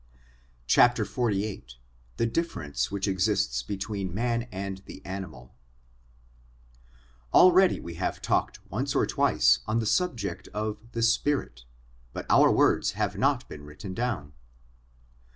XLVIII THE DIFFERENCE WHICH EXISTS BETWEEN MAN AND THE ANIMAL ALREADY we have talked once or twice on the subject of the spirit, but our words have not been written down.